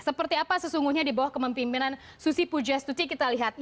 seperti apa sesungguhnya di bawah kemimpinan susi pujastuti kita lihat